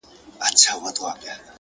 دغه خبرې کړه _ نور بس راپسې وبه ژاړې _